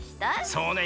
そうね